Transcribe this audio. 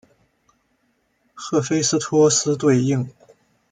赫菲斯托斯对应。